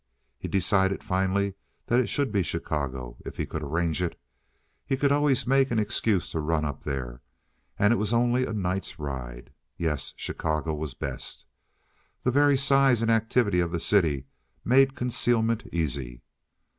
He decided finally that it should be Chicago if he could arrange it. He could always make excuses to run up there, and it was only a night's ride. Yes, Chicago was best. The very size and activity of the city made concealment easy.